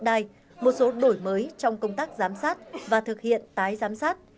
hôm nay một số đổi mới trong công tác giám sát và thực hiện tái giám sát